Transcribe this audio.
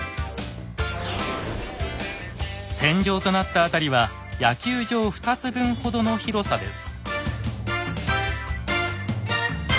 戦場となった辺りは野球場２つ分ほどの広さです。